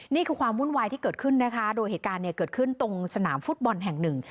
นี่คือความวุ่นวายที่เกิดขึ้นนะคะโดยเหตุการณ์เนี่ยเกิดขึ้นตรงสนามฟุตบอลแห่งหนึ่ง